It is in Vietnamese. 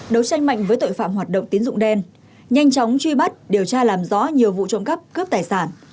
đấu tranh mạnh với tội phạm hoạt động tín dụng đen nhanh chóng truy bắt điều tra làm rõ nhiều vụ trộm cắp cướp tài sản